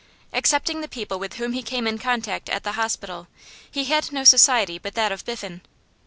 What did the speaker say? Excepting the people with whom he came in contact at the hospital, he had no society but that of Biffen.